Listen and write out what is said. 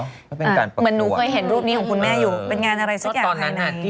เหมือนเป็นการประกวด